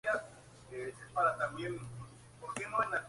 Los taxónomos están comenzando a reconocer la separación.